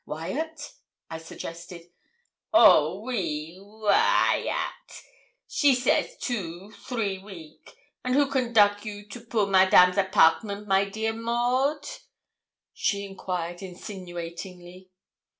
'Wyat,' I suggested. 'Oh! oui, Waiatt; she says two, three week. And who conduct you to poor Madame's apartment, my dear Maud?' She inquired insinuatingly.